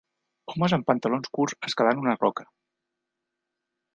Homes amb pantalons curts escalant una roca.